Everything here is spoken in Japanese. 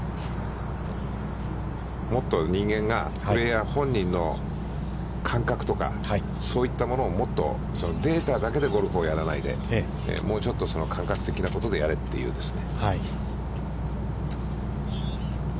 もっと人間がプレーヤー本人の感覚とか、そういったものをもっとデータだけでゴルフをやらないでもうちょっと感覚的なことでやれというですね。